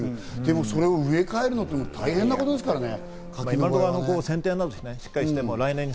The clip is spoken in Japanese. でもそれを植え替えるのって大変なことですからね。